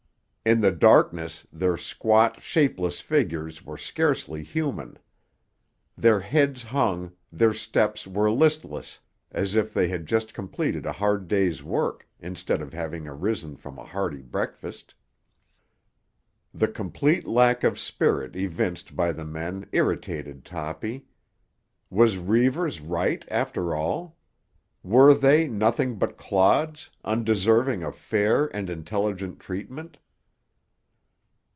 In the darkness their squat, shapeless figures were scarcely human. Their heads hung, their steps were listless, as if they had just completed a hard day's work instead of having arisen from a hearty breakfast. The complete lack of spirit evinced by the men irritated Toppy. Was Reivers right after all? Were they nothing but clods, undeserving of fair and intelligent treatment?